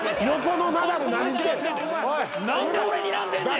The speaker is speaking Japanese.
何で俺にらんでんねん！